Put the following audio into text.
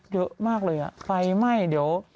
เยอะมากเลยอ่ะไฟไหม้เดี๋ยว